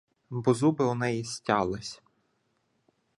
Бо зуби у неї стялись.